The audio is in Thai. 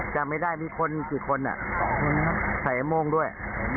จำไม่ได้มีคนกี่คนใส่โม่งด้วย